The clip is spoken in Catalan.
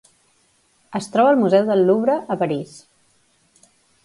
Es troba al museu del Louvre, a París.